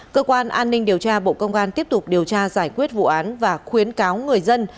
cơ quan an ninh điều tra bộ công an tiếp tục điều tra giải quyết vụ án và khuyến cáo người dân